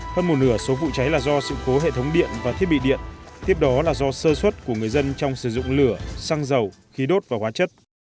hơn một nửa số vụ cháy là do sự cố hệ thống điện và thiết bị điện tiếp đó là do sơ xuất của người dân trong sử dụng lửa xăng dầu khí đốt và hóa chất